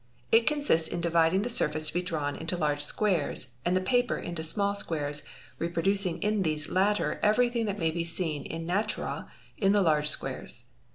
It consists in dividing the surface to be drawn into large squares and the paper into small squares, reproducing in these latter everything that may be seen im naturd in the large squares.